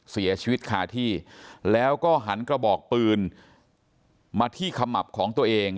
เสียชีวิตคาที่แล้วก็หันกระบอกปืนมาที่ขมับของตัวเอง